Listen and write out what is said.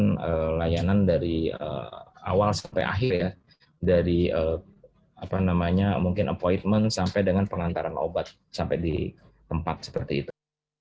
memberikan layanan dari awal sampai akhir ya dari mungkin appointment sampai dengan pengantaran obat sampai di tempat seperti itu